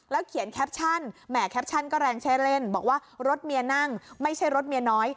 เขียนแคปชั่นแหมแคปชั่นก็แรงใช้เล่นบอกว่ารถเมียนั่งไม่ใช่รถเมียน้อย